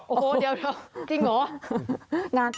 โอ้โหเดี๋ยวจริงเหรอ